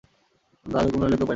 দাদার হুকুম নইলে তো উপায় নেই।